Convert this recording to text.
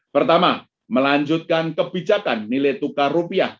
pertama melanjutkan kebijakan nilai tukar rupiah